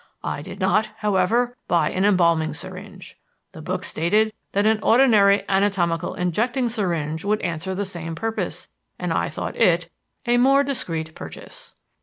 I did not, however, buy an embalming syringe: the book stated that an ordinary anatomical injecting syringe would answer the same purpose, and I thought it a more discreet purchase.